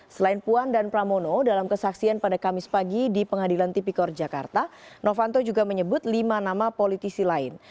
selain puan dan pramono dalam kesaksian pada kamis pagi di pengadilan tipikor jakarta novanto juga menyebut lima nama politisi lain